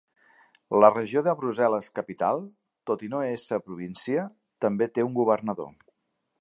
La regió de Brussel·les-Capital, tot i no ésser província, també té un governador.